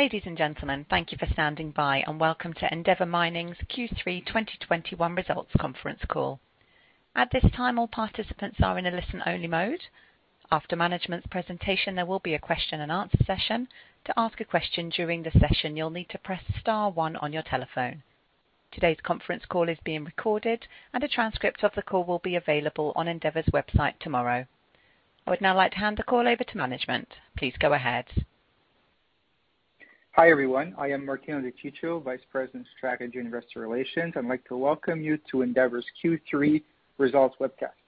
Ladies and gentlemen, thank you for standing by, and welcome to Endeavour Mining's Q3 2021 Results Conference Call. At this time, all participants are in a listen-only mode. After management's presentation, there will be a question-and-answer session. To ask a question during the session, you'll need to press star one on your telephone. Today's conference call is being recorded and a transcript of the call will be available on Endeavour's website tomorrow. I would now like to hand the call over to management. Please go ahead. Hi, everyone. I am Martino De Ciccio, Vice President of Strategy and Investor Relations. I'd like to welcome you to Endeavour's Q3 results webcast.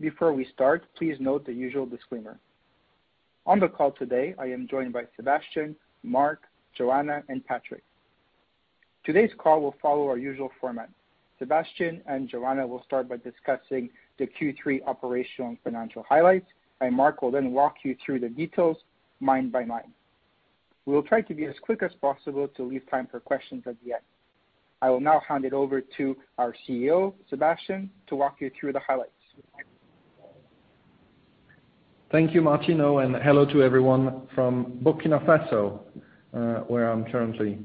Before we start, please note the usual disclaimer. On the call today, I am joined by Sébastien, Mark, Joanna, and Patrick. Today's call will follow our usual format. Sébastien and Joanna will start by discussing the Q3 operational and financial highlights, and Mark will then walk you through the details mine by mine. We will try to be as quick as possible to leave time for questions at the end. I will now hand it over to our CEO, Sébastien, to walk you through the highlights. Thank you, Martino, and hello to everyone from Burkina Faso, where I'm currently.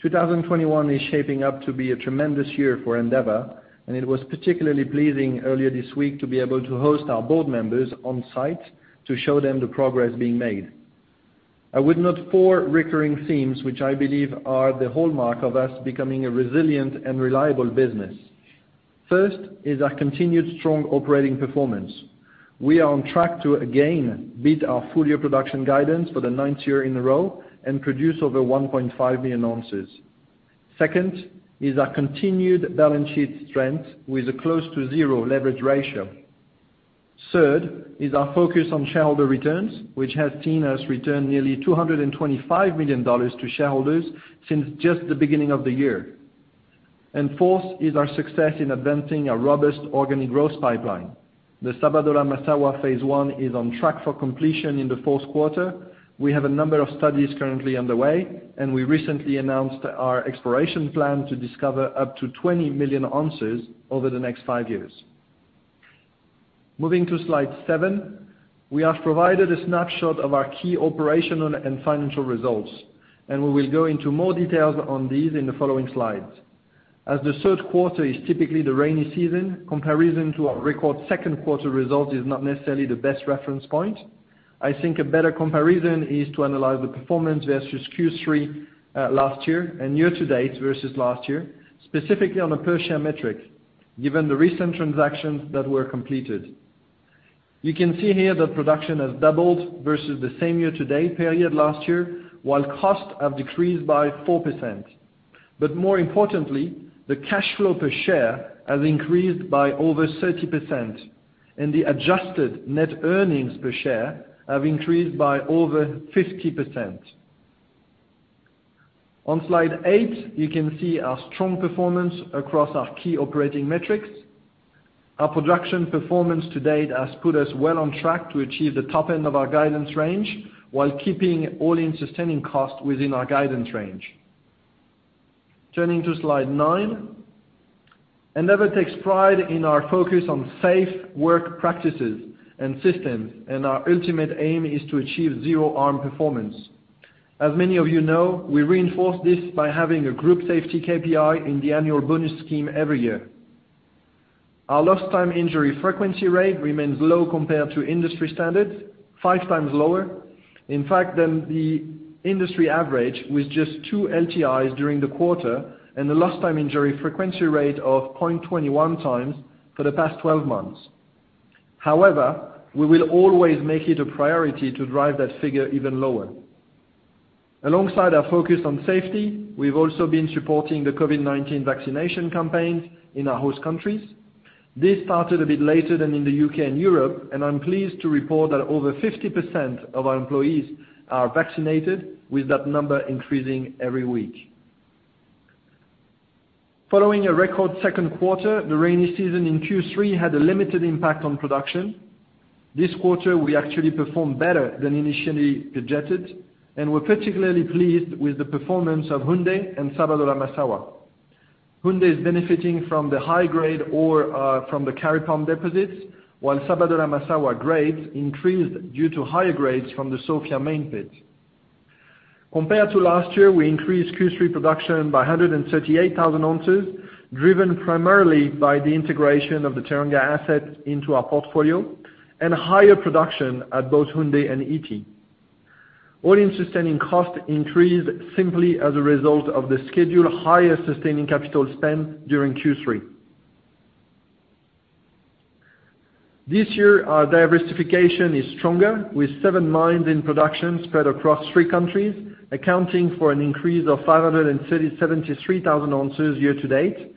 2021 is shaping up to be a tremendous year for Endeavour, and it was particularly pleasing earlier this week to be able to host our board members on-site to show them the progress being made. I would note four recurring themes which I believe are the hallmark of us becoming a resilient and reliable business. First is our continued strong operating performance. We are on track to again beat our full-year production guidance for the ninth year in a row and produce over 1.5 million oz. Second is our continued balance sheet strength with a close to zero leverage ratio. Third is our focus on shareholder returns, which has seen us return nearly $225 million to shareholders since just the beginning of the year. Fourth is our success in advancing a robust organic growth pipeline. The Sabodala-Massawa Phase One is on track for completion in the fourth quarter. We have a number of studies currently underway, and we recently announced our exploration plan to discover up to 20 million oz over the next five years. Moving to slide seven, we have provided a snapshot of our key operational and financial results, and we will go into more details on these in the following slides. As the third quarter is typically the rainy season, comparison to our record second quarter result is not necessarily the best reference point. I think a better comparison is to analyze the performance versus Q3 last year and year-to-date versus last year, specifically on a per-share metric, given the recent transactions that were completed. You can see here that production has doubled versus the same year-to-date period last year, while costs have decreased by 4%. More importantly, the cash flow per share has increased by over 30%, and the adjusted net earnings per share have increased by over 50%. On slide eight, you can see our strong performance across our key operating metrics. Our production performance to date has put us well on track to achieve the top end of our guidance range while keeping all-in sustaining costs within our guidance range. Turning to slide nine, Endeavour takes pride in our focus on safe work practices and systems, and our ultimate aim is to achieve zero harm performance. As many of you know, we reinforce this by having a group safety KPI in the annual bonus scheme every year. Our lost time injury frequency rate remains low compared to industry standards, five times lower, in fact, than the industry average, with just two LTIs during the quarter and a lost time injury frequency rate of 0.21x for the past twelve months. However, we will always make it a priority to drive that figure even lower. Alongside our focus on safety, we've also been supporting the COVID-19 vaccination campaigns in our host countries. This started a bit later than in the U.K. and Europe, and I'm pleased to report that over 50% of our employees are vaccinated, with that number increasing every week. Following a record second quarter, the rainy season in Q3 had a limited impact on production. This quarter, we actually performed better than initially budgeted and were particularly pleased with the performance of Houndé and Sabodala-Massawa. Houndé is benefiting from the high-grade ore from the Kari Pump deposits, while Sabodala-Massawa grades increased due to higher grades from the Sofia Main pit. Compared to last year, we increased Q3 production by 138,000 oz, driven primarily by the integration of the Teranga asset into our portfolio and higher production at both Houndé and Ity. All-in sustaining cost increased simply as a result of the scheduled higher sustaining capital spend during Q3. This year, our diversification is stronger with seven mines in production spread across three countries, accounting for an increase of 537,000 oz year-to-date,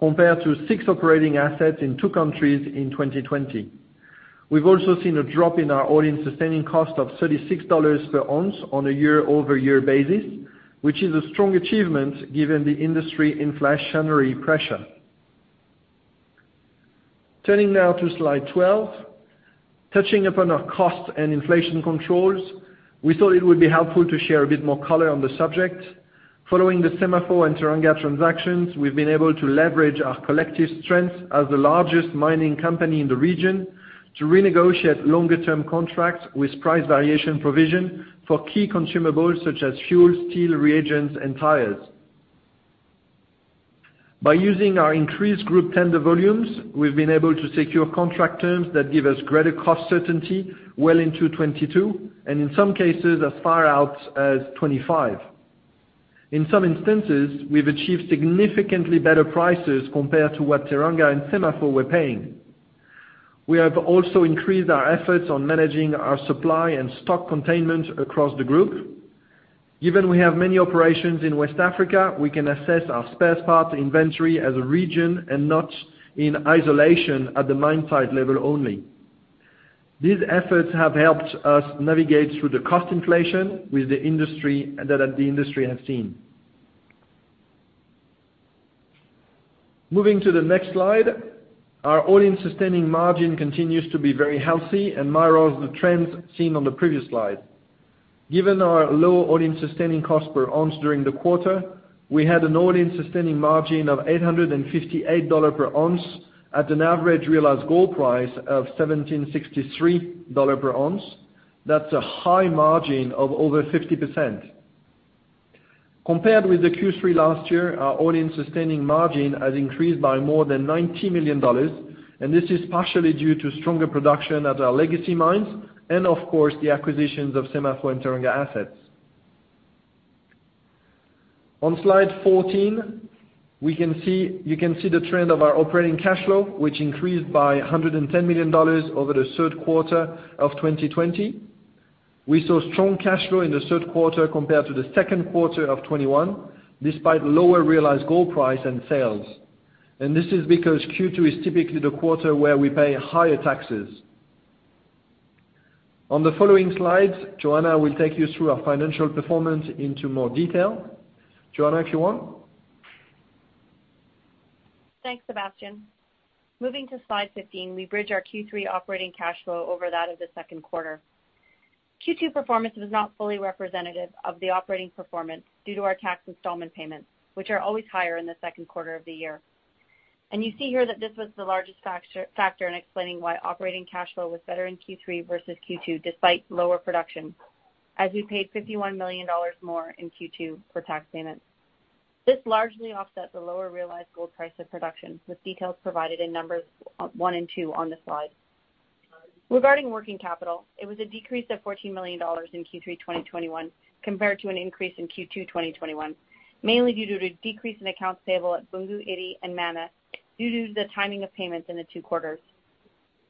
compared to six operating assets in two countries in 2020. We've also seen a drop in our all-in sustaining cost of $36 per oz on a year-over-year basis, which is a strong achievement given the industry inflationary pressure. Turning now to slide 12, touching upon our cost and inflation controls, we thought it would be helpful to share a bit more color on the subject. Following the Semafo and Teranga transactions, we've been able to leverage our collective strengths as the largest mining company in the region to renegotiate longer-term contracts with price variation provision for key consumables such as fuel, steel, reagents, and tires. By using our increased group tender volumes, we've been able to secure contract terms that give us greater cost certainty well into 2022, and in some cases, as far out as 2025. In some instances, we've achieved significantly better prices compared to what Teranga and Semafo were paying. We have also increased our efforts on managing our supply and stock containment across the group. Given we have many operations in West Africa, we can assess our spare parts inventory as a region and not in isolation at the mine site level only. These efforts have helped us navigate through the cost inflation with the industry that the industry has seen. Moving to the next slide, our all-in sustaining margin continues to be very healthy and mirrors the trends seen on the previous slide. Given our low all-in sustaining cost per ounce during the quarter, we had an all-in sustaining margin of $858 per oz at an average realized gold price of $1,763 per oz. That's a high margin of over 50%. Compared with the Q3 last year, our all-in sustaining margin has increased by more than $90 million, and this is partially due to stronger production at our legacy mines and, of course, the acquisitions of Semafo and Teranga assets. On slide 14, we can see, you can see the trend of our operating cash flow, which increased by $110 million over the third quarter of 2020. We saw strong cash flow in the third quarter compared to the second quarter of 2021, despite lower realized gold price and sales. This is because Q2 is typically the quarter where we pay higher taxes. On the following slides, Joanna will take you through our financial performance in more detail. Joanna, if you want. Thanks, Sébastien. Moving to slide 15, we bridge our Q3 operating cash flow over that of the second quarter. Q2 performance was not fully representative of the operating performance due to our tax installment payments, which are always higher in the second quarter of the year. You see here that this was the largest factor in explaining why operating cash flow was better in Q3 versus Q2, despite lower production, as we paid $51 million more in Q2 for tax payments. This largely offset the lower realized gold price and production, with details provided in numbers one and two on the slide. Regarding working capital, it was a decrease of $14 million in Q3 2021 compared to an increase in Q2 2021, mainly due to a decrease in accounts payable at Boungou, Ity and Mana, due to the timing of payments in the two quarters.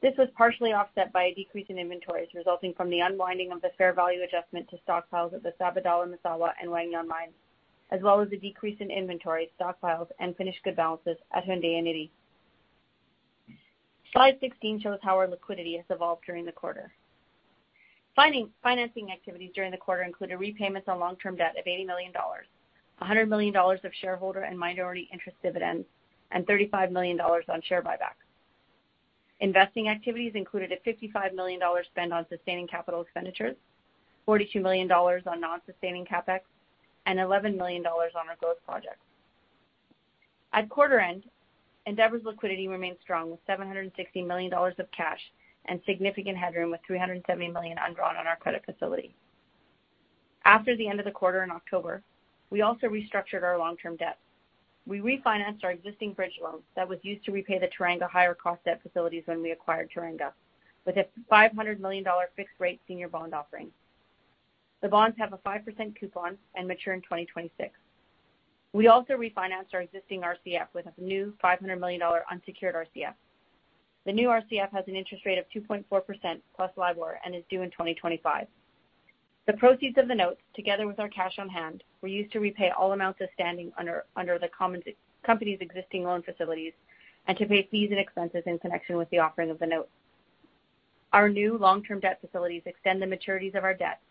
This was partially offset by a decrease in inventories resulting from the unwinding of the fair value adjustment to stockpiles at the Sabodala-Massawa and Wahgnion mines, as well as the decrease in inventory, stockpiles and finished goods balances at Houndé. Slide 16 shows how our liquidity has evolved during the quarter. Financing activities during the quarter include repayments on long-term debt of $80 million, $100 million of shareholder and minority interest dividends, and $35 million on share buybacks. Investing activities included a $55 million spend on sustaining capital expenditures, $42 million on non-sustaining CapEx, and $11 million on our growth projects. At quarter end, Endeavour's liquidity remains strong, with $760 million of cash and significant headroom, with $370 million undrawn on our credit facility. After the end of the quarter in October, we also restructured our long-term debt. We refinanced our existing bridge loan that was used to repay the Teranga higher cost debt facilities when we acquired Teranga with a $500 million fixed rate senior bond offering. The bonds have a 5% coupon and mature in 2026. We also refinanced our existing RCF with a new $500 million unsecured RCF. The new RCF has an interest rate of 2.4%+ LIBOR and is due in 2025. The proceeds of the notes, together with our cash on hand, were used to repay all amounts outstanding under the company's existing loan facilities and to pay fees and expenses in connection with the offering of the note. Our new long-term debt facilities extend the maturities of our debts,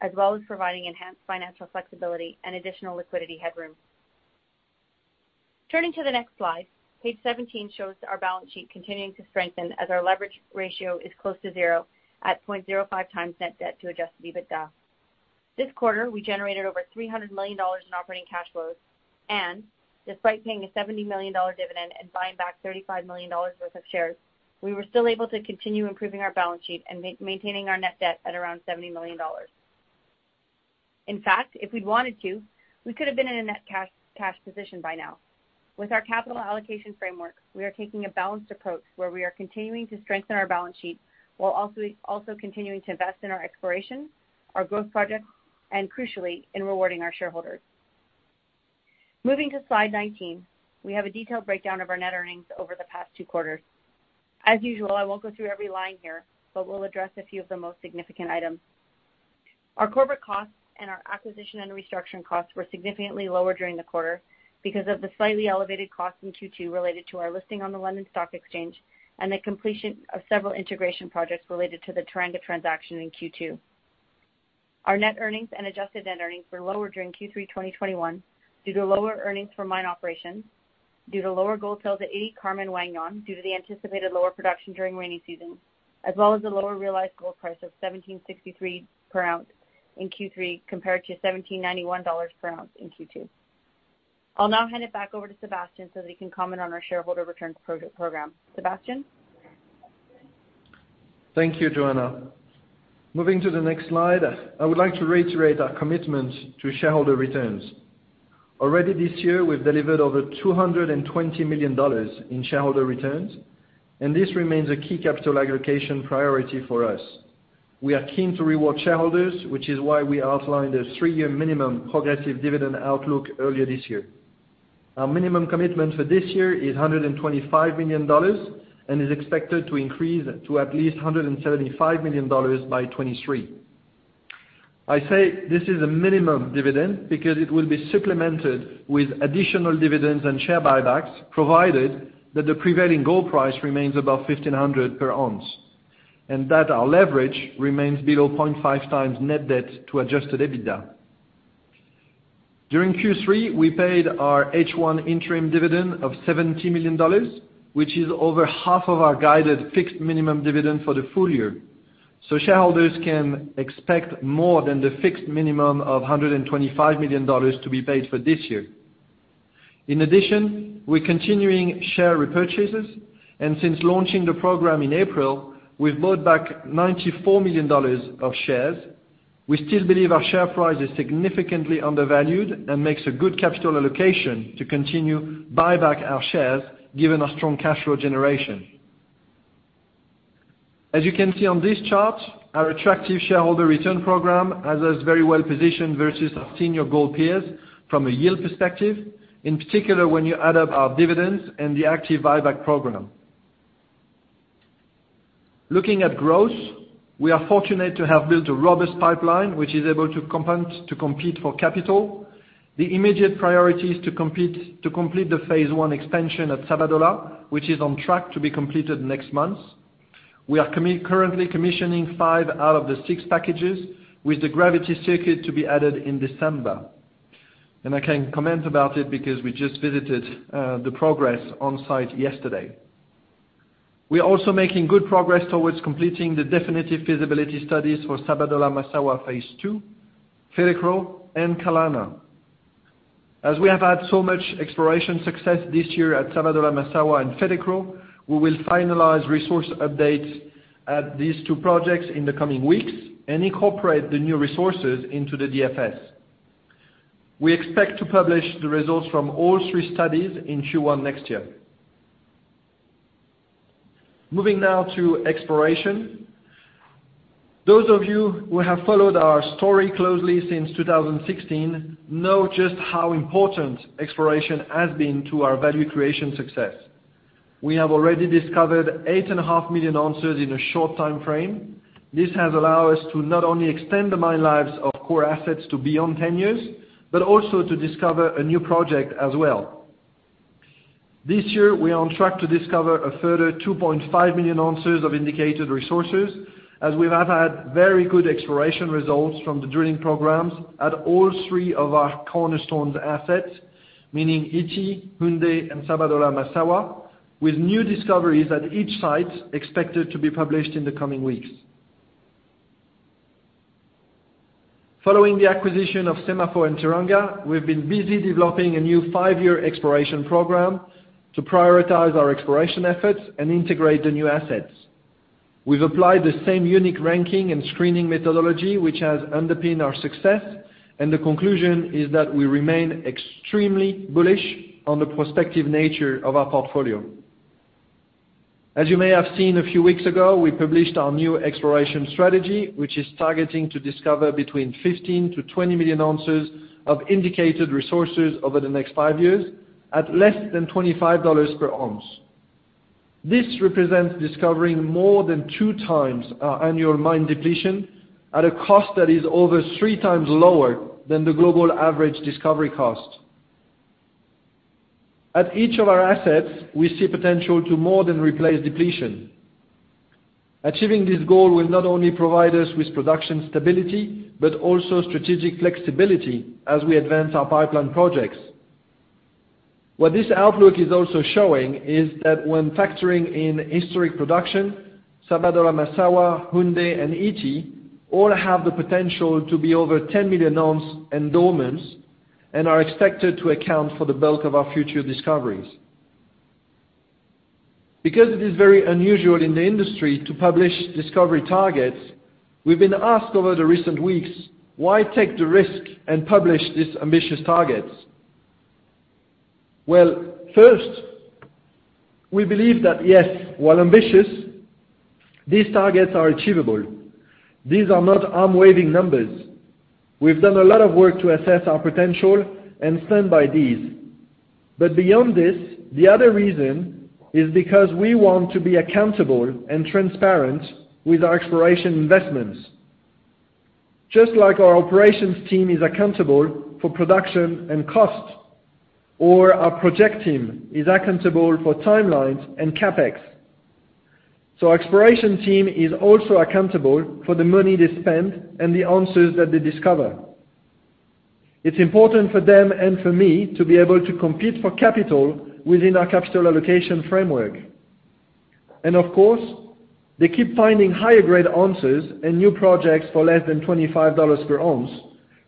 as well as providing enhanced financial flexibility and additional liquidity headroom. Turning to the next slide, page 17 shows our balance sheet continuing to strengthen as our leverage ratio is close to zero at 0.05x net debt to adjusted EBITDA. This quarter, we generated over $300 million in operating cash flows, and despite paying a $70 million dividend and buying back $35 million worth of shares, we were still able to continue improving our balance sheet and maintaining our net debt at around $70 million. In fact, if we'd wanted to, we could have been in a net cash position by now. With our capital allocation framework, we are taking a balanced approach where we are continuing to strengthen our balance sheet while also continuing to invest in our exploration, our growth projects, and crucially, in rewarding our shareholders. Moving to slide 19, we have a detailed breakdown of our net earnings over the past two quarters. As usual, I won't go through every line here, but we'll address a few of the most significant items. Our corporate costs and our acquisition and restructuring costs were significantly lower during the quarter because of the slightly elevated costs in Q2 related to our listing on the London Stock Exchange and the completion of several integration projects related to the Teranga transaction in Q2. Our net earnings and adjusted net earnings were lower during Q3 2021 due to lower earnings for mine operations. Due to lower gold sales at Houndé, Karma and Wahgnion due to the anticipated lower production during rainy season, as well as the lower realized gold price of $1,763 per oz in Q3 compared to $1,791 per oz in Q2. I'll now hand it back over to Sébastien so that he can comment on our shareholder return program. Sébastien? Thank you, Joanna. Moving to the next slide, I would like to reiterate our commitment to shareholder returns. Already this year, we've delivered over $220 million in shareholder returns, and this remains a key capital allocation priority for us. We are keen to reward shareholders, which is why we outlined a three-year minimum progressive dividend outlook earlier this year. Our minimum commitment for this year is $125 million and is expected to increase to at least $175 million by 2023. I say this is a minimum dividend because it will be supplemented with additional dividends and share buybacks, provided that the prevailing gold price remains above $1,500 per oz, and that our leverage remains below 0.5x net debt to adjusted EBITDA. During Q3, we paid our H1 interim dividend of $70 million, which is over half of our guided fixed minimum dividend for the full year. Shareholders can expect more than the fixed minimum of $125 million to be paid for this year. In addition, we're continuing share repurchases, and since launching the program in April, we've bought back $94 million of shares. We still believe our share price is significantly undervalued and makes a good capital allocation to continue buy back our shares given our strong cash flow generation. As you can see on this chart, our attractive shareholder return program has us very well positioned versus our senior gold peers from a yield perspective, in particular, when you add up our dividends and the active buyback program. Looking at growth, we are fortunate to have built a robust pipeline which is able to compete for capital. The immediate priority is to complete the phase one expansion at Sabodala, which is on track to be completed next month. We are currently commissioning five out of the six packages with the gravity circuit to be added in December. I can comment about it because we just visited the progress on-site yesterday. We are also making good progress towards completing the definitive feasibility studies for Sabodala-Massawa phase two, Fetekro, and Kalana. As we have had so much exploration success this year at Sabodala-Massawa and Fetekro, we will finalize resource updates at these two projects in the coming weeks and incorporate the new resources into the DFS. We expect to publish the results from all three studies in Q1 next year. Moving now to exploration. Those of you who have followed our story closely since 2016 know just how important exploration has been to our value creation success. We have already discovered 8.5 million oz in a short time frame. This has allowed us to not only extend the mine lives of core assets to beyond 10 years, but also to discover a new project as well. This year, we are on track to discover a further 2.5 million oz of Indicated Resources, as we have had very good exploration results from the drilling programs at all three of our cornerstone assets, meaning Ity, Houndé, and Sabodala-Massawa, with new discoveries at each site expected to be published in the coming weeks. Following the acquisition of Semafo and Teranga, we've been busy developing a new five-year exploration program to prioritize our exploration efforts and integrate the new assets. We've applied the same unique ranking and screening methodology, which has underpinned our success, and the conclusion is that we remain extremely bullish on the prospective nature of our portfolio. As you may have seen a few weeks ago, we published our new exploration strategy, which is targeting to discover between 15 million-20 million oz of Indicated Resources over the next five years at less than $25 per oz. This represents discovering more than two times our annual mine depletion at a cost that is over three times lower than the global average discovery cost. At each of our assets, we see potential to more than replace depletion. Achieving this goal will not only provide us with production stability, but also strategic flexibility as we advance our pipeline projects. What this outlook is also showing is that when factoring in historic production, Sabodala-Massawa, Noumbiel, and Ity all have the potential to be over 10 million oz endowments and are expected to account for the bulk of our future discoveries. Because it is very unusual in the industry to publish discovery targets, we've been asked over the recent weeks, why take the risk and publish these ambitious targets? Well, first, we believe that yes, while ambitious, these targets are achievable. These are not arm-waving numbers. We've done a lot of work to assess our potential and stand by these. Beyond this, the other reason is because we want to be accountable and transparent with our exploration investments. Just like our operations team is accountable for production and cost, or our project team is accountable for timelines and CapEx. Our exploration team is also accountable for the money they spend and the ounces that they discover. It's important for them, and for me, to be able to compete for capital within our capital allocation framework. Of course, they keep finding higher grade ounces and new projects for less than $25 per oz.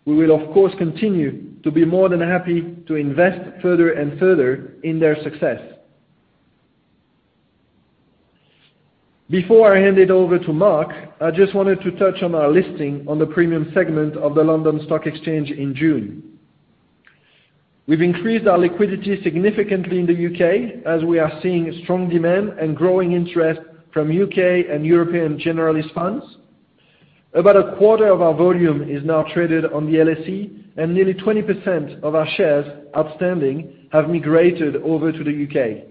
We will, of course, continue to be more than happy to invest further and further in their success. Before I hand it over to Mark, I just wanted to touch on our listing on the premium segment of the London Stock Exchange in June. We've increased our liquidity significantly in the U.K., as we are seeing strong demand and growing interest from U.K. and European generalist funds. About a quarter of our volume is now traded on the LSE, and nearly 20% of our shares outstanding have migrated over to the UK.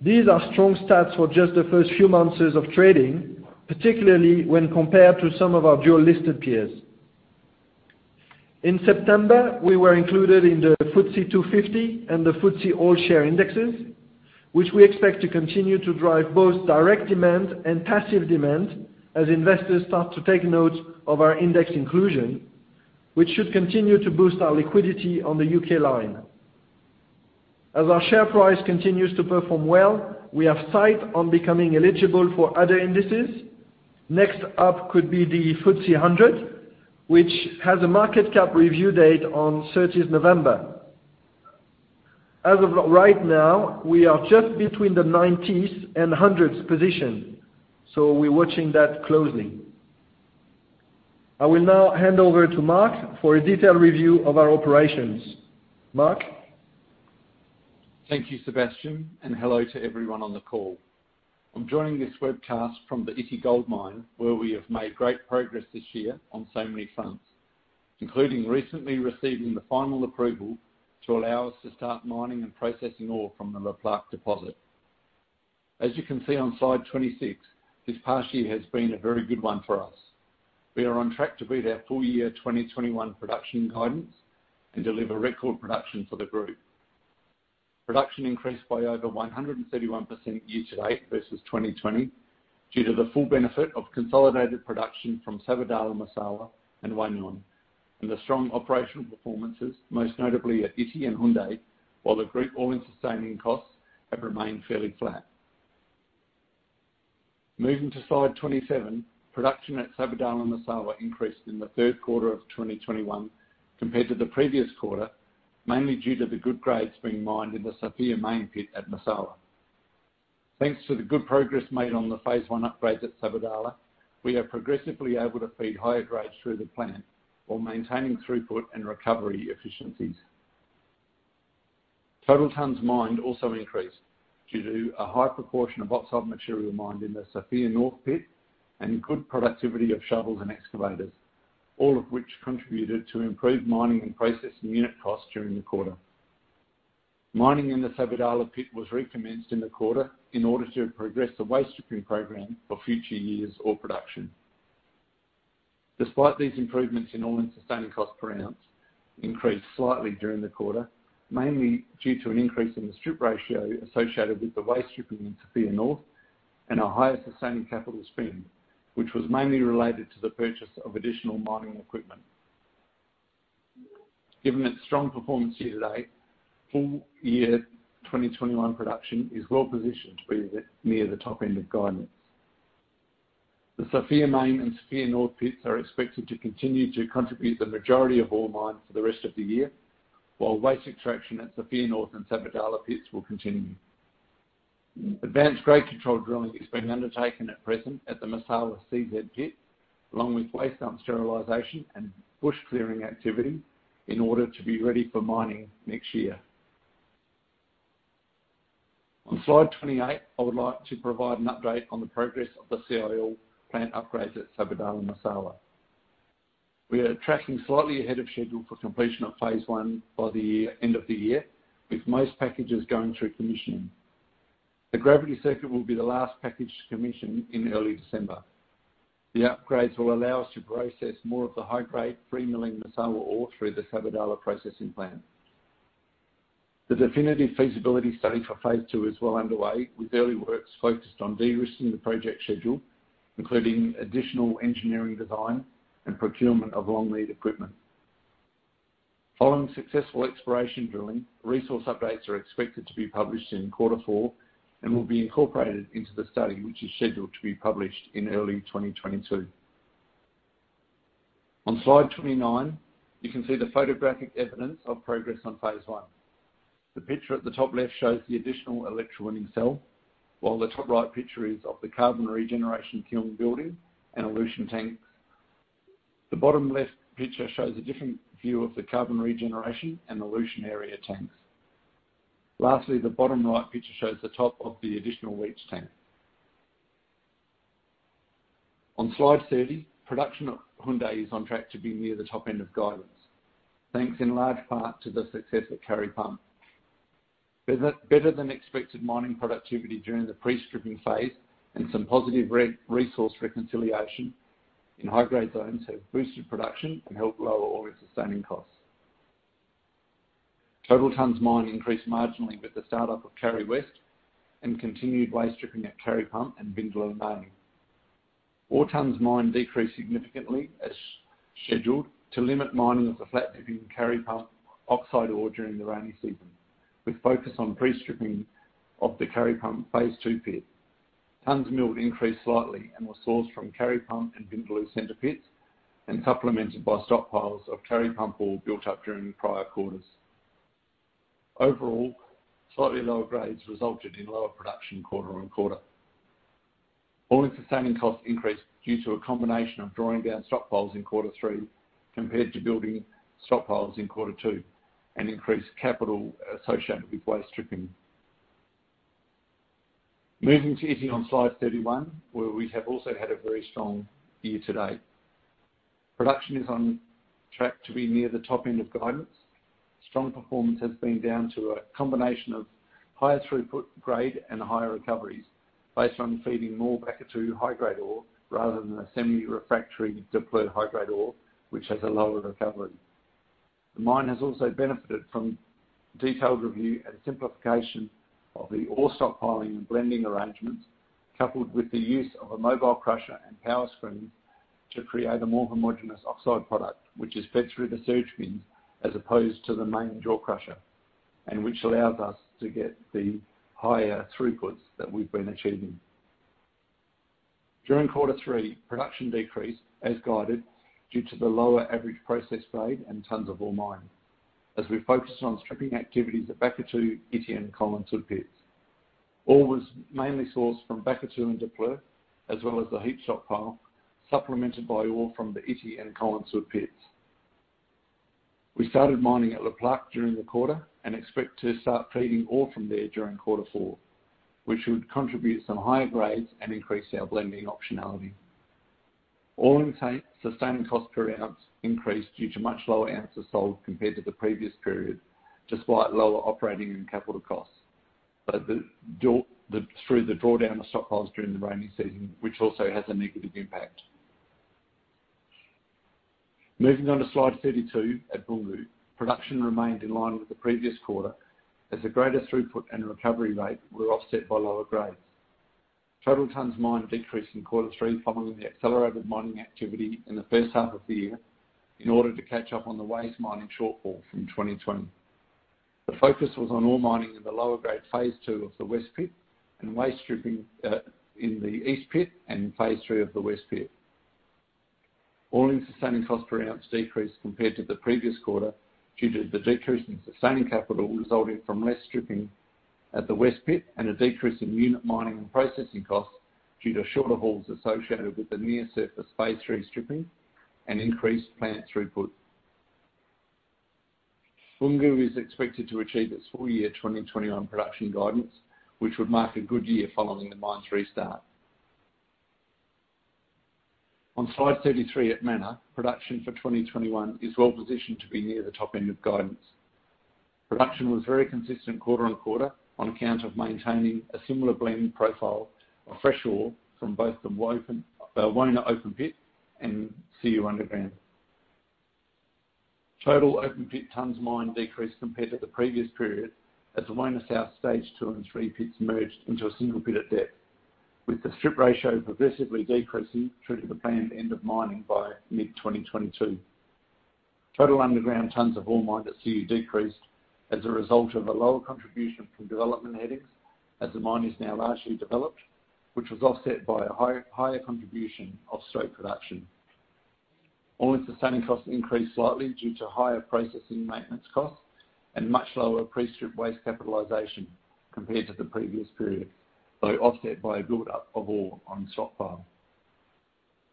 These are strong stats for just the first few months of trading, particularly when compared to some of our dual-listed peers. In September, we were included in the FTSE 250 and the FTSE All-Share indexes, which we expect to continue to drive both direct demand and passive demand as investors start to take note of our index inclusion, which should continue to boost our liquidity on the UK line. As our share price continues to perform well, we have our sights on becoming eligible for other indices. Next up could be the FTSE 100, which has a market cap review date on thirtieth November. As of right now, we are just between the 90s and 100s position, so we're watching that closely. I will now hand over to Mark for a detailed review of our operations. Mark? Thank you, Sébastien, and hello to everyone on the call. I'm joining this webcast from the Ity gold mine, where we have made great progress this year on so many fronts, including recently receiving the final approval to allow us to start mining and processing ore from the Le Plaque deposit. As you can see on slide 26, this past year has been a very good one for us. We are on track to beat our full year 2021 production guidance and deliver record production for the group. Production increased by over 131% year-to-date versus 2020 due to the full benefit of consolidated production from Sabodala-Massawa and Wahgnion, and the strong operational performances, most notably at Ity and Houndé, while the group all-in sustaining costs have remained fairly flat. Moving to slide 27, production at Sabodala-Massawa increased in the third quarter of 2021 compared to the previous quarter, mainly due to the good grades being mined in the Sofia Main pit at Massawa. Thanks to the good progress made on the phase one upgrades at Sabodala, we are progressively able to feed higher grades through the plant while maintaining throughput and recovery efficiencies. Total tons mined also increased due to a high proportion of oxide material mined in the Sofia North pit and good productivity of shovels and excavators, all of which contributed to improved mining and processing unit costs during the quarter. Mining in the Sabodala pit was recommenced in the quarter in order to progress the waste stripping program for future years' ore production. Despite these improvements, all-in sustaining cost per ounce increased slightly during the quarter, mainly due to an increase in the strip ratio associated with the waste stripping in Sofia North and our highest sustaining capital spend, which was mainly related to the purchase of additional mining equipment. Given its strong performance year-to-date, full year 2021 production is well-positioned to be near the top end of guidance. The Sofia Main and Sofia North pits are expected to continue to contribute the majority of ore mined for the rest of the year, while waste extraction at Sofia North and Sabodala pits will continue. Advanced grade control drilling is being undertaken at present at the Massawa CZ pit, along with waste dump sterilization and bush clearing activity in order to be ready for mining next year. On slide 28, I would like to provide an update on the progress of the CIL plant upgrades at Sabodala-Massawa. We are tracking slightly ahead of schedule for completion of phase one by the end of the year, with most packages going through commissioning. The gravity circuit will be the last package to commission in early December. The upgrades will allow us to process more of the high-grade free-milling Massawa ore through the Sabodala processing plant. The definitive feasibility study for phase two is well underway, with early works focused on de-risking the project schedule, including additional engineering design and procurement of long-lead equipment. Following successful exploration drilling, resource updates are expected to be published in quarter four and will be incorporated into the study, which is scheduled to be published in early 2022. On slide 29, you can see the photographic evidence of progress on phase one. The picture at the top left shows the additional electrowinning cell, while the top right picture is of the carbon regeneration kiln building and elution tanks. The bottom left picture shows a different view of the carbon regeneration and elution area tanks. Lastly, the bottom right picture shows the top of the additional leach tank. On slide 30, production at Houndé is on track to be near the top end of guidance, thanks in large part to the success at Kari Pump. Better than expected mining productivity during the pre-stripping phase and some positive re-resource reconciliation in high-grade zones have boosted production and helped lower all-in sustaining costs. Total tonnes mined increased marginally with the startup of Kari West and continued waste stripping at Kari Pump and Vindaloo. Ore tonnes mined decreased significantly as scheduled to limit mining of the flat dipping Kari Pump oxide ore during the rainy season, with focus on pre-stripping of the Kari Pump Phase two pit. Tonnes milled increased slightly and was sourced from Kari Pump and Vindaloo center pits and supplemented by stockpiles of Kari Pump ore built up during prior quarters. Overall, slightly lower grades resulted in lower production quarter-over-quarter. All-in sustaining costs increased due to a combination of drawing down stockpiles in quarter three compared to building stockpiles in quarter two and increased capital associated with waste stripping. Moving to Ity on Slide 31, where we have also had a very strong year-to-date. Production is on track to be near the top end of guidance. Strong performance has been down to a combination of higher throughput grade and higher recoveries based on feeding more Bakatouo high-grade ore rather than a semi-refractory Daapleu high-grade ore, which has a lower recovery. The mine has also benefited from detailed review and simplification of the ore stockpiling and blending arrangements, coupled with the use of a mobile crusher and power screens to create a more homogeneous oxide product, which is fed through the surge bins as opposed to the main jaw crusher, and which allows us to get the higher throughputs that we've been achieving. During quarter three, production decreased as guided due to the lower average process grade and tons of ore mined as we focused on stripping activities at Bakatouo, Ity, and Koanshu pits. Ore was mainly sourced from Bakatouo and Daapleu, as well as the heap stockpile, supplemented by ore from the Ity and Koanshu pits. We started mining at Le Plaque during the quarter and expect to start feeding ore from there during quarter four, which would contribute some higher grades and increase our blending optionality. All-in sustaining cost per ounce increased due to much lower ounces sold compared to the previous period, despite lower operating and capital costs through the drawdown of stockpiles during the rainy season, which also has a negative impact. Moving on to slide 32 at Boungou, production remained in line with the previous quarter as the greater throughput and recovery rate were offset by lower grades. Total tonnes mined decreased in quarter three following the accelerated mining activity in the first half of the year in order to catch up on the waste mining shortfall from 2020. The focus was on ore mining in the lower grade phase two of the West pit and waste stripping in the East pit and phase three of the West pit. All-in sustaining cost per ounce decreased compared to the previous quarter due to the decrease in sustaining capital resulting from less stripping at the West pit and a decrease in unit mining and processing costs due to shorter hauls associated with the near-surface phase three stripping and increased plant throughput. Boungou is expected to achieve its full year 2021 production guidance, which would mark a good year following the mine's restart. On slide 33 at Mana, production for 2021 is well positioned to be near the top end of guidance. Production was very consistent quarter-over-quarter on account of maintaining a similar blending profile of fresh ore from both the Wona open pit and Siou underground. Total open pit tonnes mined decreased compared to the previous period as the Wona South stage two and three pits merged into a single pit at depth, with the strip ratio progressively decreasing through to the planned end of mining by mid-2022. Total underground tonnes of ore mined at Siou decreased as a result of a lower contribution from development headings, as the mine is now largely developed, which was offset by a higher contribution of strip production. All-in sustaining costs increased slightly due to higher processing maintenance costs and much lower pre-strip waste capitalization compared to the previous period, though offset by a build-up of ore on stockpile.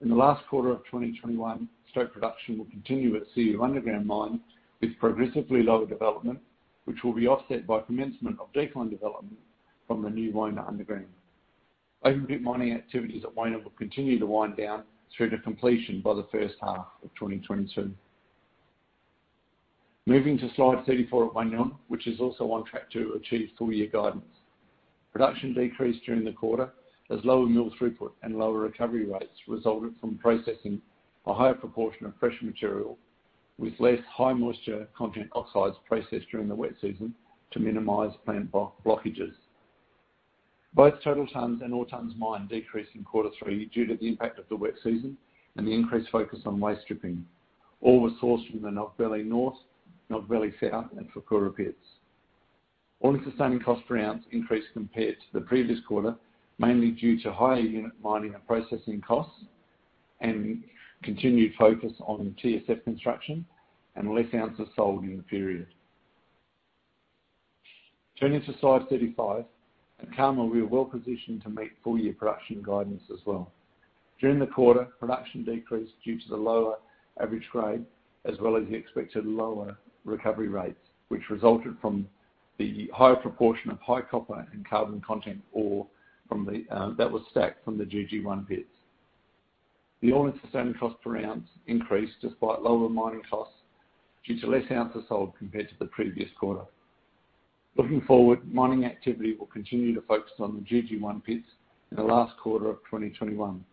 In the last quarter of 2021, strip production will continue at Siou underground mine with progressively lower development, which will be offset by commencement of decline development from the new Wona underground. Open pit mining activities at Wona will continue to wind down through to completion by the first half of 2022. Moving to slide 34 at Wahgnion, which is also on track to achieve full year guidance. Production decreased during the quarter as lower mill throughput and lower recovery rates resulted from processing a higher proportion of fresh material with less high moisture content oxides processed during the wet season to minimize plant blockages. Both total tonnes and ore tonnes mined decreased in quarter three due to the impact of the wet season and the increased focus on waste stripping. Ore was sourced from the Nogbele North, Nogbele South, and Fourkoura pits. All-in sustaining cost per ounce increased compared to the previous quarter, mainly due to higher unit mining and processing costs and continued focus on TSF construction and less ounces sold in the period. Turning to slide 35, at Karma we are well positioned to meet full year production guidance as well. During the quarter, production decreased due to the lower average grade as well as the expected lower recovery rates, which resulted from the higher proportion of high copper and carbon content ore from that was stacked from the GG1 pits. The all-in sustaining cost per ounce increased despite lower mining costs due to less ounces sold compared to the previous quarter. Looking forward, mining activity will continue to focus on the GG1 pits in the last quarter of 2021,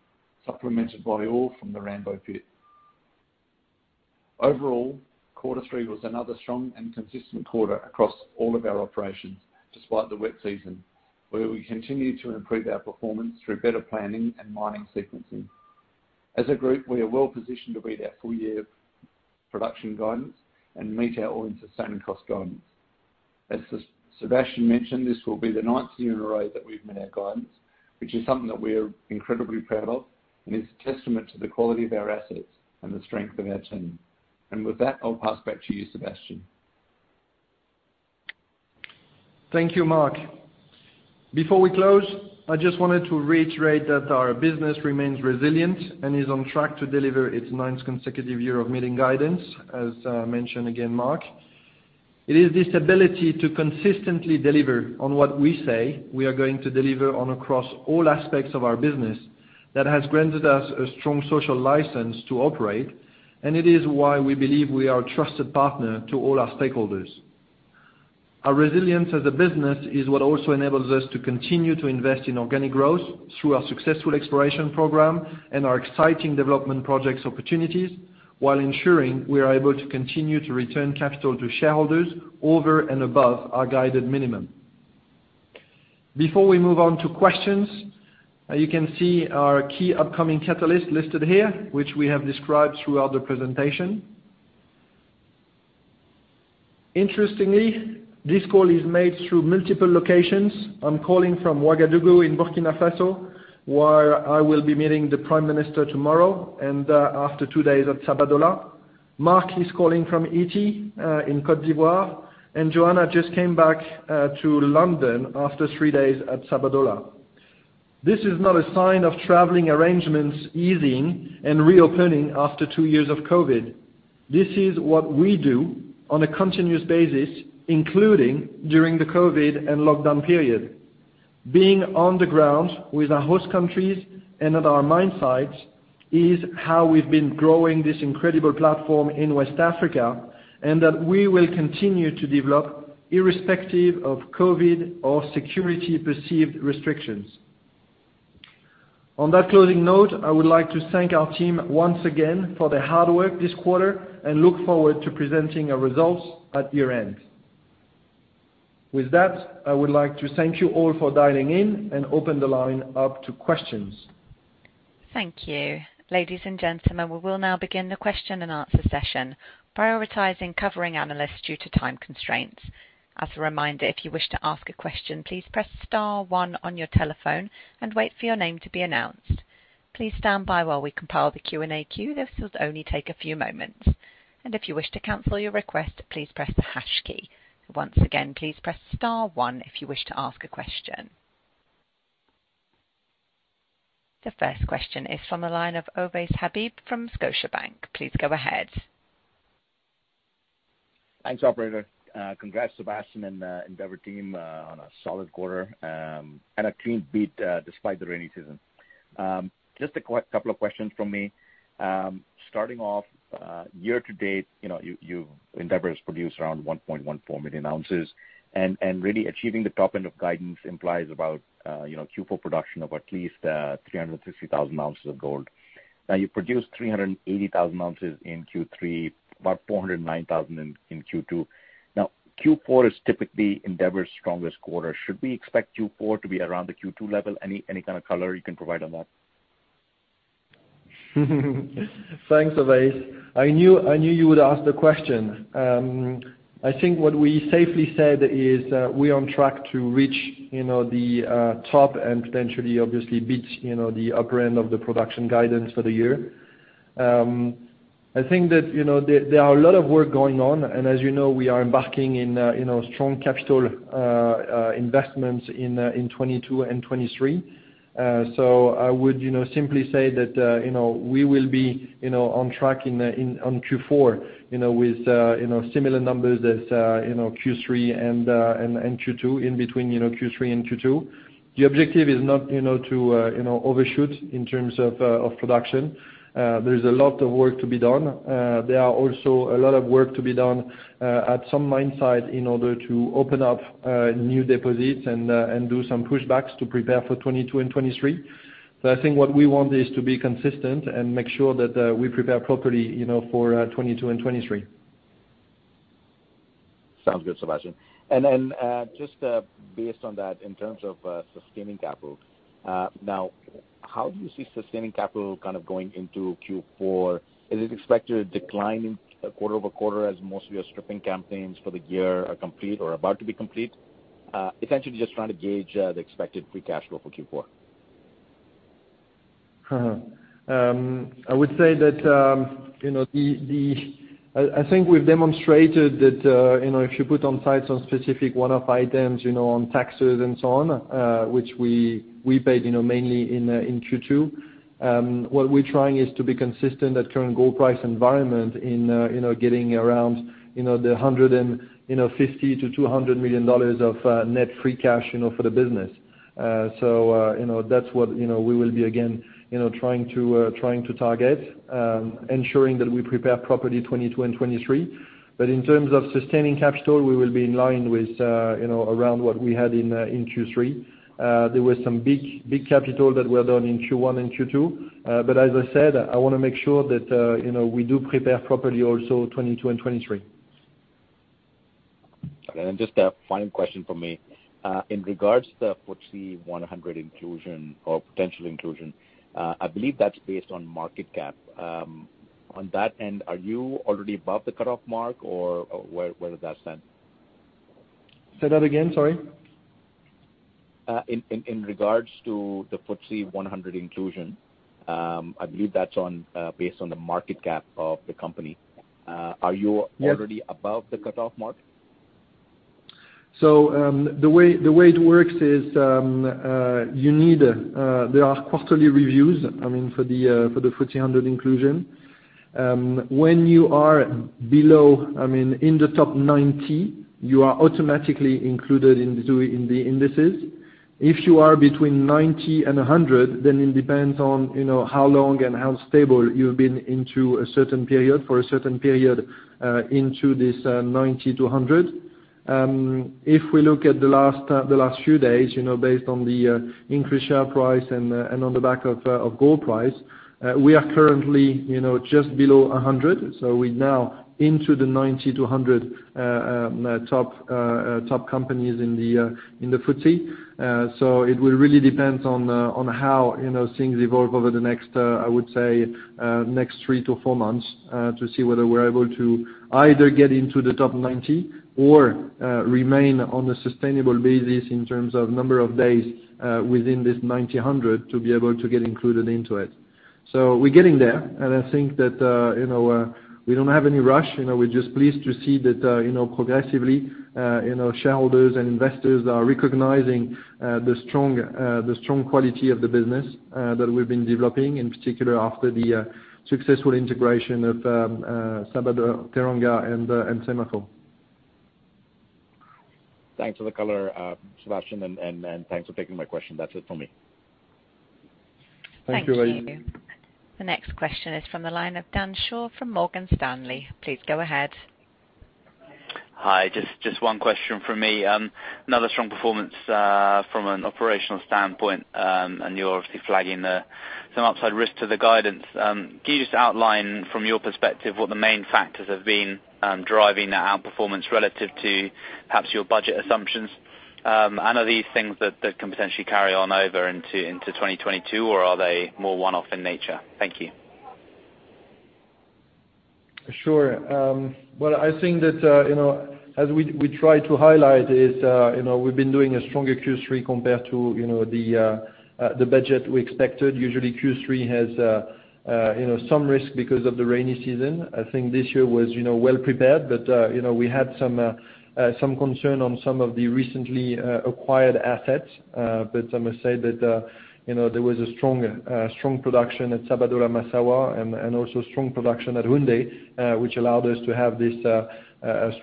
supplemented by ore from the Rambo pit. Overall, quarter three was another strong and consistent quarter across all of our operations, despite the wet season, where we continued to improve our performance through better planning and mining sequencing. As a group, we are well positioned to beat our full year production guidance and meet our all-in sustaining cost guidance. As Sébastien mentioned, this will be the ninth year in a row that we've met our guidance, which is something that we are incredibly proud of and is a testament to the quality of our assets and the strength of our team. With that, I'll pass back to you, Sébastien. Thank you, Mark. Before we close, I just wanted to reiterate that our business remains resilient and is on track to deliver its ninth consecutive year of meeting guidance, as mentioned again, Mark. It is this ability to consistently deliver on what we say we are going to deliver on across all aspects of our business that has granted us a strong social license to operate, and it is why we believe we are a trusted partner to all our stakeholders. Our resilience as a business is what also enables us to continue to invest in organic growth through our successful exploration program and our exciting development projects opportunities while ensuring we are able to continue to return capital to shareholders over and above our guided minimum. Before we move on to questions, you can see our key upcoming catalysts listed here, which we have described throughout the presentation. Interestingly, this call is made through multiple locations. I'm calling from Ouagadougou in Burkina Faso, where I will be meeting the Prime Minister tomorrow, and after two days at Sabodala. Mark is calling from Ity in Côte d'Ivoire. Joanna just came back to London after three days at Sabodala. This is not a sign of traveling arrangements easing and reopening after two years of COVID. This is what we do on a continuous basis, including during the COVID and lockdown period. Being on the ground with our host countries and at our mine sites is how we've been growing this incredible platform in West Africa, and that we will continue to develop irrespective of COVID or security perceived restrictions. On that closing note, I would like to thank our team once again for their hard work this quarter and look forward to presenting our results at year-end. With that, I would like to thank you all for dialing in and open the line up to questions. Thank you. Ladies and gentlemen, we will now begin the question-and-answer session, prioritizing covering analysts due to time constraints. As a reminder, if you wish to ask a question, please press star one on your telephone and wait for your name to be announced. Please stand by while we compile the Q&A queue. This will only take a few moments. If you wish to cancel your request, please press the hash key. Once again, please press star one if you wish to ask a question. The first question is from the line of Ovais Habib from Scotiabank. Please go ahead. Thanks, operator. Congrats, Sébastien and Endeavour team, on a solid quarter, and a clean beat, despite the rainy season. Just a couple of questions from me. Starting off, year-to-date, you know, Endeavour has produced around 1.14 million oz, and really achieving the top end of guidance implies about, you know, Q4 production of at least 350,000 oz of gold. Now, you produced 380,000 oz in Q3, about 409,000 in Q2. Now, Q4 is typically Endeavour's strongest quarter. Should we expect Q4 to be around the Q2 level? Any kind of color you can provide on that? Thanks, Ovais. I knew you would ask the question. I think what we safely said is we're on track to reach the top and potentially obviously beat the upper end of the production guidance for the year. I think that there are a lot of work going on, and as you know, we are embarking in strong capital investments in 2022 and 2023. So I would simply say that we will be on track on Q4 with similar numbers as Q3 and Q2, in between Q3 and Q2. The objective is not to overshoot in terms of production. There is a lot of work to be done at some mine site in order to open up new deposits and do some pushbacks to prepare for 2022 and 2023. I think what we want is to be consistent and make sure that we prepare properly, you know, for 2022 and 2023. Sounds good, Sébastien. Just based on that, in terms of sustaining capital, now, how do you see sustaining capital kind of going into Q4? Is it expected to decline quarter-over-quarter as most of your stripping campaigns for the year are complete or about to be complete? Essentially just trying to gauge the expected free cash flow for Q4. I would say that, you know, the—I think we've demonstrated that, you know, if you put aside specific one-off items, you know, on taxes and so on, which we paid, you know, mainly in Q2, what we're trying is to be consistent at current gold price environment in, you know, getting around, you know, $150 million-$200 million of net free cash, you know, for the business. So, you know, that's what, you know, we will be again, you know, trying to target, ensuring that we prepare properly 2022 and 2023. In terms of sustaining capital, we will be in line with, you know, around what we had in Q3. There were some big CapEx that were done in Q1 and Q2. As I said, I wanna make sure that, you know, we do prepare properly also 2022 and 2023. Okay. Just a final question from me. In regards to FTSE 100 inclusion or potential inclusion, I believe that's based on market cap. On that end, are you already above the cutoff mark or where does that stand? Say that again, sorry. In regards to the FTSE 100 inclusion, I believe that's based on the market cap of the company. Are you already above the cutoff mark? The way it works is there are quarterly reviews, I mean, for the FTSE 100 inclusion. When you are below, I mean, in the top 90, you are automatically included in the indices. If you are between 90 and 100, then it depends on, you know, how long and how stable you've been in for a certain period in this 90-100. If we look at the last few days, you know, based on the increased share price and on the back of gold price, we are currently, you know, just below 100. We're now into the 90-100 top companies in the FTSE. It will really depend on how, you know, things evolve over the next, I would say, next 3-4 months, to see whether we're able to either get into the top 90 or remain on a sustainable basis in terms of number of days within this 90-100 to be able to get included into it. We're getting there, and I think that, you know, we don't have any rush. You know, we're just pleased to see that, you know, progressively, you know, shareholders and investors are recognizing the strong quality of the business that we've been developing, in particular after the successful integration of Sabodala, Teranga and Semafo. Thanks for the color, Sébastien, and thanks for taking my question. That's it for me. Thank you. The next question is from the line of Dan Shaw from Morgan Stanley. Please go ahead. Hi. Just one question from me. Another strong performance from an operational standpoint, and you're obviously flagging some upside risk to the guidance. Can you just outline from your perspective what the main factors have been driving that outperformance relative to perhaps your budget assumptions? Are these things that can potentially carry on over into 2022, or are they more one-off in nature? Thank you. Sure. Well, I think that, you know, as we try to highlight is, you know, we've been doing a stronger Q3 compared to, you know, the budget we expected. Usually Q3 has, you know, some risk because of the rainy season. I think this year was, you know, well prepared, but, you know, we had some concern on some of the recently acquired assets. I must say that, you know, there was a strong production at Sabodala-Massawa and also strong production at Houndé, which allowed us to have this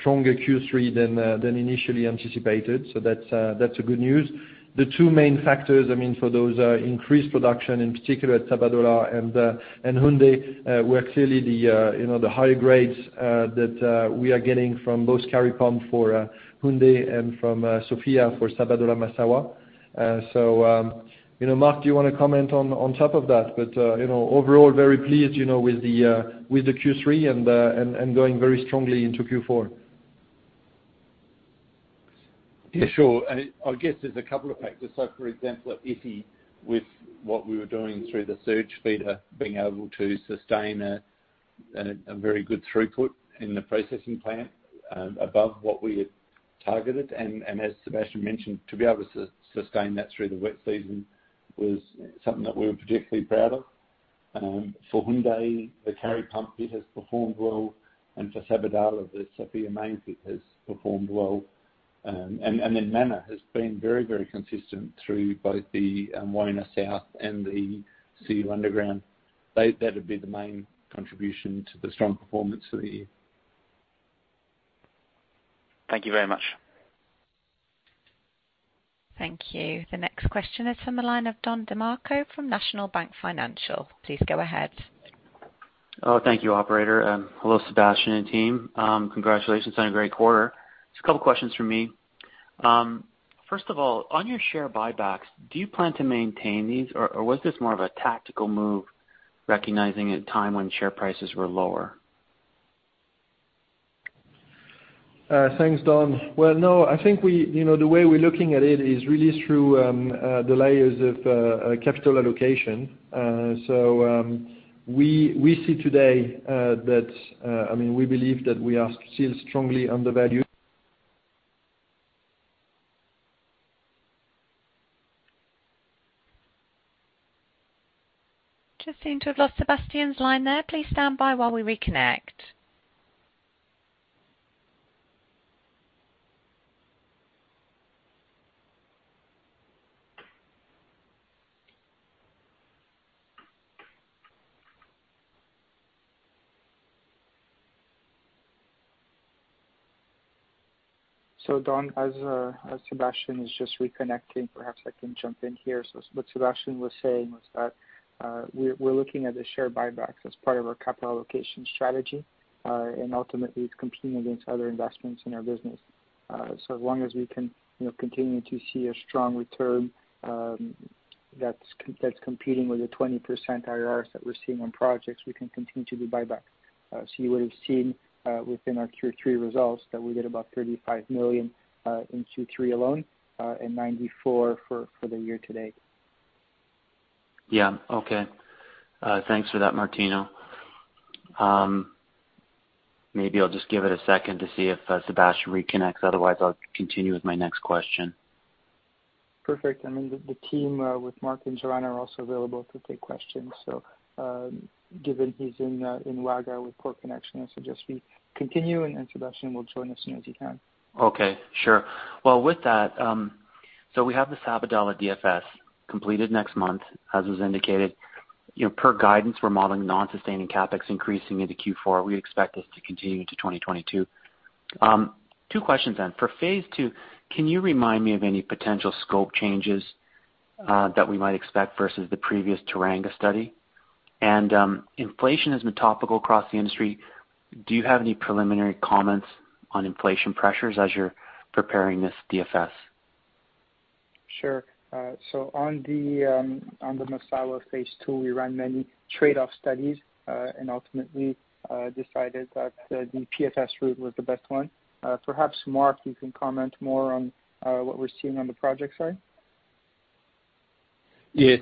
stronger Q3 than initially anticipated. That's a good news. The two main factors, I mean, for those increased production, in particular at Sabodala-Massawa and Houndé, were clearly the higher grades that we are getting from both Kari Pump for Houndé and from Sofia for Sabodala-Massawa. You know, Mark, do you wanna comment on top of that? Overall, very pleased, you know, with the Q3 and going very strongly into Q4. Yeah, sure. I guess there's a couple of factors. For example, at Ity, with what we were doing through the surge feeder, being able to sustain a very good throughput in the processing plant above what we had targeted. As Sébastien mentioned, to be able to sustain that through the wet season was something that we were particularly proud of. For Houndé, the Kari Pump pit has performed well, and for Sabodala, the Sofia Main pit has performed well. Mana has been very consistent through both the Wona South and the Siou underground. That'd be the main contribution to the strong performance of the year. Thank you very much. Thank you. The next question is from the line of Don DeMarco from National Bank Financial. Please go ahead. Oh, thank you, operator. Hello, Sébastien and team. Congratulations on a great quarter. Just a couple questions from me. First of all, on your share buybacks, do you plan to maintain these or was this more of a tactical move recognizing a time when share prices were lower? Thanks, Don. Well, no, I think we you know, the way we're looking at it is really through the layers of capital allocation. We see today that I mean, we believe that we are still strongly undervalued. Just seem to have lost Sebastian's line there. Please stand by while we reconnect. Don, Sébastien is just reconnecting, perhaps I can jump in here. What Sébastien was saying was that, we're looking at the share buybacks as part of our capital allocation strategy, and ultimately it's competing against other investments in our business. As long as we can, you know, continue to see a strong return, that's competing with the 20% IRRs that we're seeing on projects, we can continue to do buyback. You would've seen, within our Q3 results that we did about $35 million in Q3 alone, and $94 million for the year-to-date. Yeah. Okay. Thanks for that, Martino. Maybe I'll just give it a second to see if Sébastien reconnects, otherwise I'll continue with my next question. Perfect. I mean, the team with Mark and Joanna are also available to take questions. Given he's in Ouaga with poor connection, I suggest we continue, and Sébastien will join as soon as he can. Okay. Sure. Well, with that, we have the Sabodala-Massawa DFS completed next month, as was indicated. You know, per guidance, we're modeling non-sustaining CapEx increasing into Q4. We expect this to continue to 2022. Two questions. For phase two, can you remind me of any potential scope changes, that we might expect versus the previous Teranga study? Inflation has been topical across the industry. Do you have any preliminary comments on inflation pressures as you're preparing this DFS? Sure. On the Massawa phase two, we ran many trade-off studies and ultimately decided that the PFS route was the best one. Perhaps Mark, you can comment more on what we're seeing on the project side. Yeah.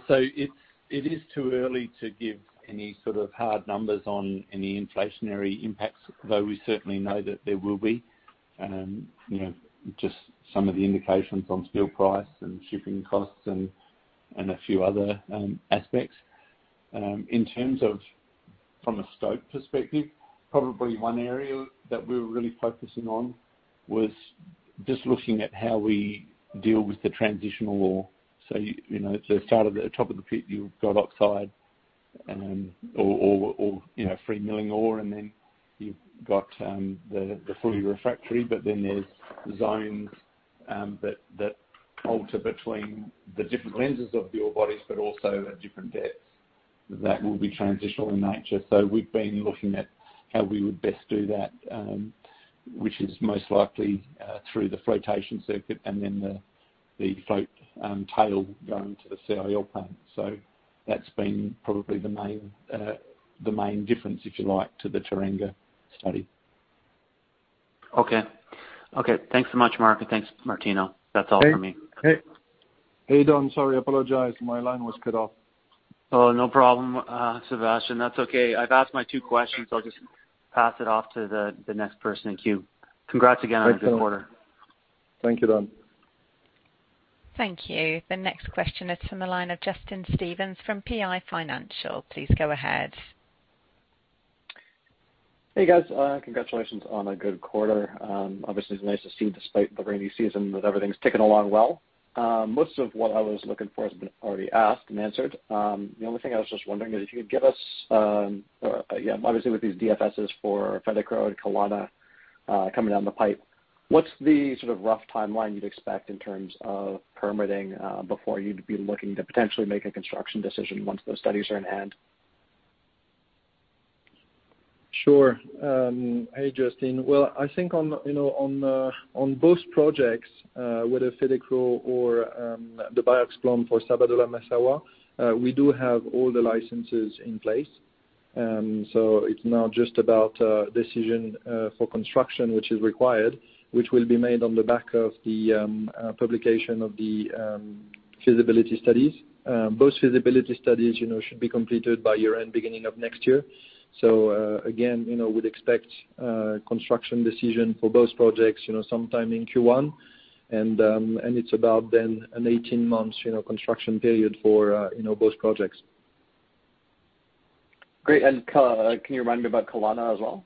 It is too early to give any sort of hard numbers on any inflationary impacts, though we certainly know that there will be, you know, just some of the indications on steel price and shipping costs and a few other aspects. In terms of from a scope perspective, probably one area that we're really focusing on was just looking at how we deal with the transitional ore. You know, at the start of the top of the pit, you've got oxide or you know, free milling ore, and then you've got the fully refractory, but then there's zones that alter between the different lenses of the ore bodies, but also at different depths that will be transitional in nature. We've been looking at how we would best do that, which is most likely through the flotation circuit and then the float tail going to the CIL plant. That's been probably the main difference, if you like, to the Teranga study. Okay. Thanks so much, Mark, and thanks, Martino. That's all for me. Hey, Don, sorry, I apologize. My line was cut off. Oh, no problem, Sébastien. That's okay. I've asked my two questions. I'll just pass it off to the next person in queue. Congrats again on this quarter. Thank you, Don. Thank you. The next question is from the line of Justin Stevens from PI Financial. Please go ahead. Hey, guys. Congratulations on a good quarter. Obviously it's nice to see despite the rainy season that everything's ticking along well. Most of what I was looking for has been already asked and answered. The only thing I was just wondering is if you could give us, obviously with these DFSs for Fetekro and Kalana, coming down the pipe, what's the sort of rough timeline you'd expect in terms of permitting, before you'd be looking to potentially make a construction decision once those studies are in hand? Sure. Hey, Justin. Well, I think on both projects, whether Fetekro or the BIOX® plan for Sabodala-Massawa, we do have all the licenses in place. It's now just about decision for construction which is required, which will be made on the back of the publication of the feasibility studies. Both feasibility studies, you know, should be completed by year-end, beginning of next year. Again, you know, we'd expect construction decision for both projects, you know, sometime in Q1. It's about then an 18 months, you know, construction period for both projects. Great. Can you remind me about Kalana as well?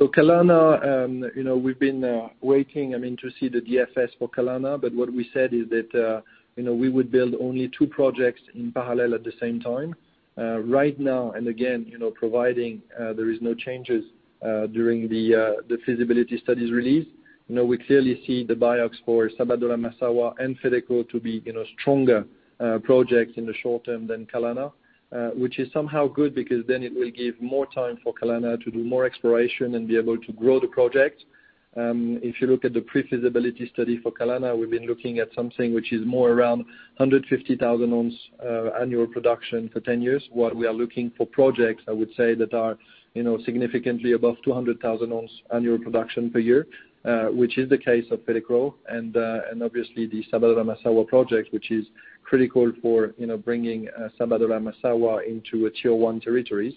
Kalana, you know, we've been waiting, I mean, to see the DFS for Kalana, but what we said is that, you know, we would build only two projects in parallel at the same time. Right now, and again, you know, providing there is no changes during the feasibility studies release, you know, we clearly see the BIOX® for Sabodala-Massawa and Fetekro to be, you know, stronger projects in the short term than Kalana, which is somehow good because then it will give more time for Kalana to do more exploration and be able to grow the project. If you look at the pre-feasibility study for Kalana, we've been looking at something which is more around 150,000 oz annual production for 10 years. What we are looking for in projects, I would say, that are, you know, significantly above 200,000 oz annual production per year, which is the case of Fetekro and obviously the Sabodala-Massawa project, which is critical for, you know, bringing Sabodala-Massawa into a tier one territories.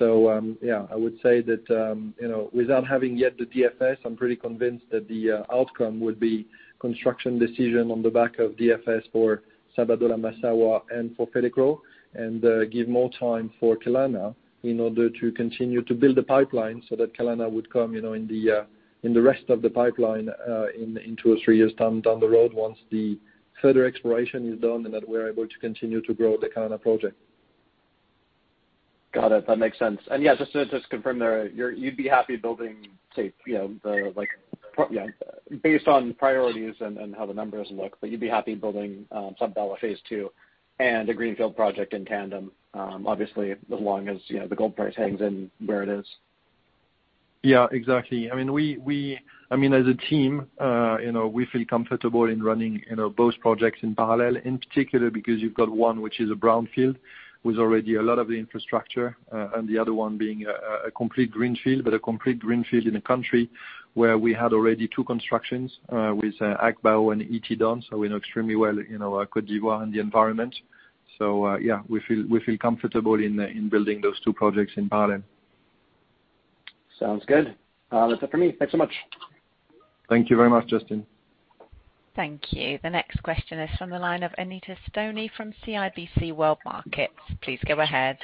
Yeah, I would say that, you know, without having yet the DFS, I'm pretty convinced that the outcome would be construction decision on the back of DFS for Sabodala-Massawa and for Fetekro, and give more time for Kalana in order to continue to build the pipeline so that Kalana would come, you know, in the, in the rest of the pipeline, in two or three years time down the road once the further exploration is done and that we're able to continue to grow the Kalana project. Got it. That makes sense. Yeah, just to confirm there, you'd be happy building, say, you know, like, yeah, based on priorities and how the numbers look, but you'd be happy building Sabodala phase two and a greenfield project in tandem, obviously as long as, you know, the gold price hangs in where it is. Yeah, exactly. I mean, as a team, you know, we feel comfortable in running, you know, both projects in parallel, in particular because you've got one which is a brownfield with already a lot of the infrastructure, and the other one being a complete greenfield, but a complete greenfield in a country where we had already two constructions with Agbaou and Ity. We know extremely well, you know, Côte d'Ivoire and the environment. Yeah, we feel comfortable in building those two projects in parallel. Sounds good. That's it for me. Thanks so much. Thank you very much, Justin. Thank you. The next question is from the line of Anita Soni from CIBC World Markets. Please go ahead.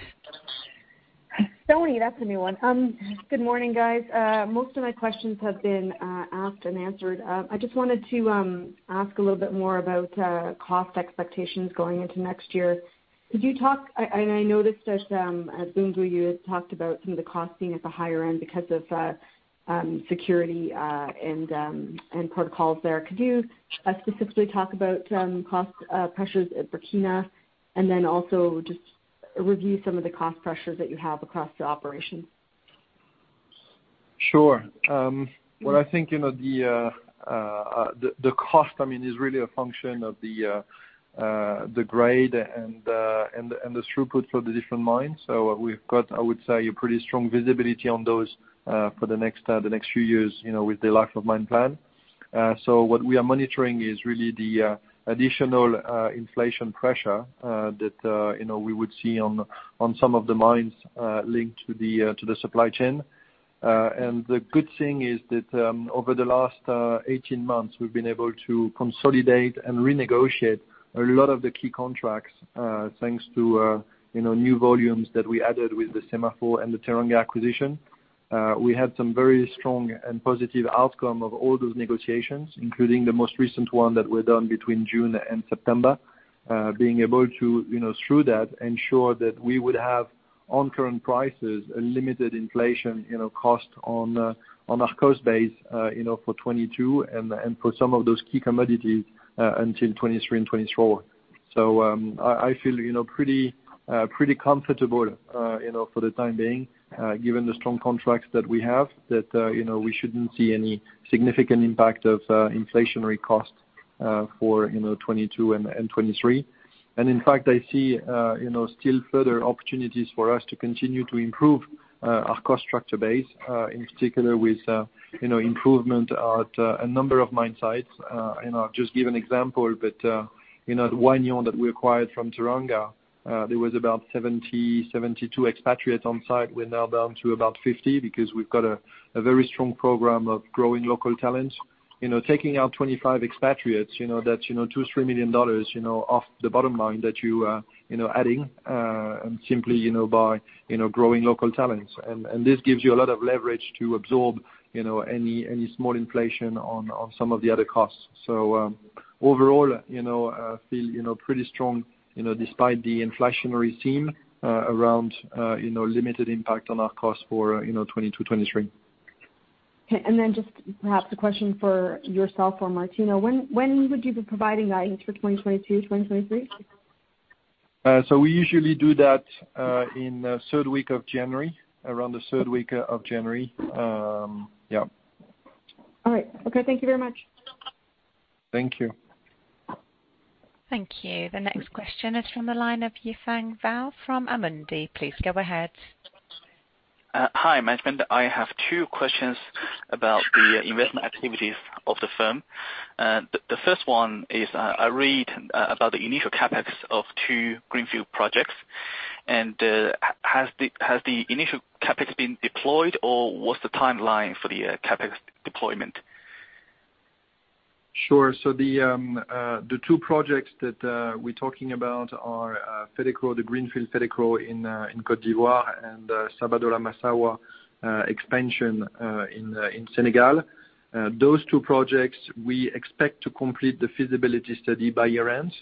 Anita Soni, that's a new one. Good morning, guys. Most of my questions have been asked and answered. I just wanted to ask a little bit more about cost expectations going into next year. I noticed that at Boungou you had talked about some of the costing at the higher end because of security and protocols there. Could you specifically talk about cost pressures at Burkina, and then also just review some of the cost pressures that you have across your operations? Sure. What I think, you know, the cost I mean is really a function of the grade and the throughput for the different mines. We've got, I would say a pretty strong visibility on those, for the next few years, you know, with the life of mine plan. What we are monitoring is really the additional inflation pressure that, you know, we would see on some of the mines linked to the supply chain. The good thing is that, over the last 18 months, we've been able to consolidate and renegotiate a lot of the key contracts, thanks to, you know, new volumes that we added with the Semafo and the Teranga acquisition. We had some very strong and positive outcome of all those negotiations, including the most recent one that were done between June and September, being able to, you know, through that ensure that we would have on current prices a limited inflation, you know, cost on our cost base, you know, for 2022 and for some of those key commodities, until 2023 and 2024. I feel, you know, pretty comfortable, you know, for the time being, given the strong contracts that we have that, you know, we shouldn't see any significant impact of inflationary costs, for 2022 and 2023. In fact, I see, you know, still further opportunities for us to continue to improve, our cost structure base, in particular with, you know, improvement at a number of mine sites. You know, just give an example, you know, the Wahgnion that we acquired from Teranga, there was about 72 expatriates on site. We're now down to about 50 because we've got a very strong program of growing local talent. You know, taking out 25 expatriates, you know, that's, you know, $2 million-$3 million, you know, off the bottom line that you know, adding, and simply, you know, by, you know, growing local talents. This gives you a lot of leverage to absorb, you know, any small inflation on some of the other costs. Overall, you know, feel, you know, pretty strong, you know, despite the inflationary theme around, you know, limited impact on our costs for, you know, 2022, 2023. Okay. Just perhaps a question for yourself or Martino. When would you be providing guidance for 2022, 2023? We usually do that in the third week of January, around the third week of January. Yeah. All right. Okay, thank you very much. Thank you. Thank you. The next question is from the line of Yifang Bao from Amundi. Please go ahead. Hi, management. I have two questions about the investment activities of the firm. The first one is, I read about the initial CapEx of two greenfield projects, and has the initial CapEx been deployed, or what's the timeline for the CapEx deployment? Sure. The two projects that we're talking about are Fetekro, the greenfield Fetekro in Côte d'Ivoire and Sabodala-Massawa expansion in Senegal. Those two projects, we expect to complete the feasibility study by year-end,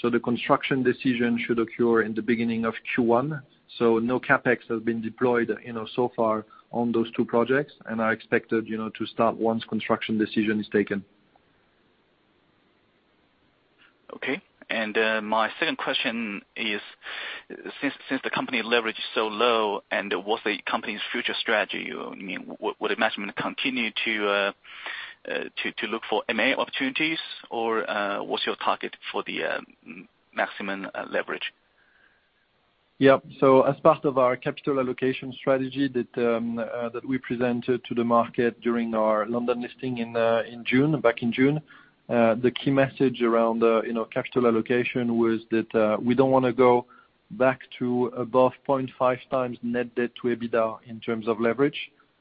so the construction decision should occur in the beginning of Q1. No CapEx has been deployed, you know, so far on those two projects and are expected, you know, to start once construction decision is taken. My second question is, since the company leverage is so low, what's the company's future strategy? I mean, will the management continue to look for M&A opportunities or what's your target for the maximum leverage? Yeah. As part of our capital allocation strategy that we presented to the market during our London listing in June, back in June, the key message around you know, capital allocation was that we don't wanna go back to above 0.5x net debt to EBITDA in terms of leverage.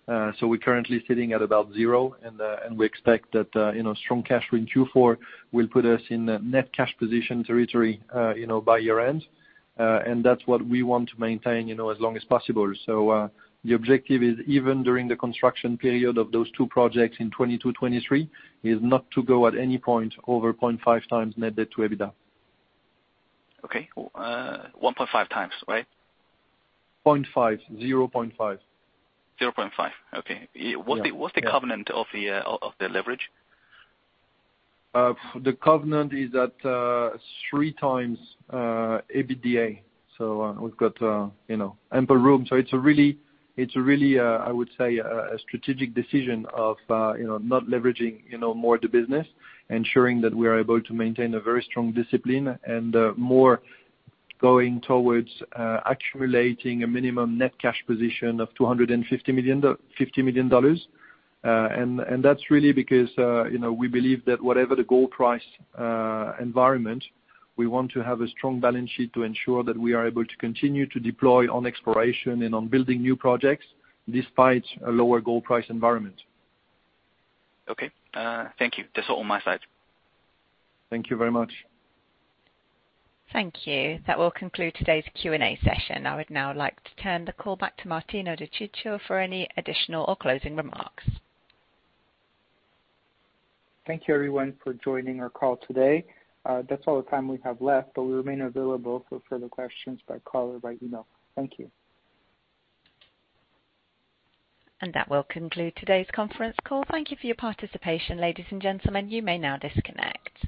We're currently sitting at about zero and we expect that you know, strong cash in Q4 will put us in a net cash position territory you know, by year end. And that's what we want to maintain you know, as long as possible. The objective is even during the construction period of those two projects in 2022, 2023, is not to go at any point over 0.5x net debt to EBITDA. Okay. 1.5 times, right? Point five. 0.5. 0.5. Okay. Yeah. What's the covenant of the leverage? The covenant is at 3x EBITDA. We've got, you know, ample room. It's really, I would say, a strategic decision of, you know, not leveraging, you know, more the business, ensuring that we are able to maintain a very strong discipline and more going towards accumulating a minimum net cash position of $250 million. That's really because, you know, we believe that whatever the gold price environment, we want to have a strong balance sheet to ensure that we are able to continue to deploy on exploration and on building new projects despite a lower gold price environment. Okay. Thank you. That's all on my side. Thank you very much. Thank you. That will conclude today's Q&A session. I would now like to turn the call back to Martino De Ciccio for any additional or closing remarks. Thank you everyone for joining our call today. That's all the time we have left, but we remain available for further questions by call or by email. Thank you. That will conclude today's conference call. Thank you for your participation ladies and gentlemen. You may now disconnect.